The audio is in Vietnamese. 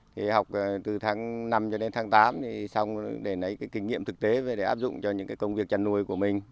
thì học từ tháng năm cho đến tháng tám thì xong để lấy cái kinh nghiệm thực tế về để áp dụng cho những cái công việc chăn nuôi của mình